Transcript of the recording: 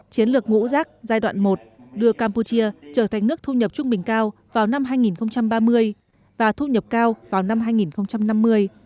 chiến lược ngũ rác giai đoạn một đưa campuchia trở thành nước thu nhập trung bình cao vào năm hai nghìn ba mươi và thu nhập cao vào năm hai nghìn năm mươi